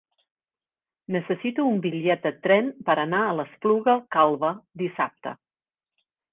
Necessito un bitllet de tren per anar a l'Espluga Calba dissabte.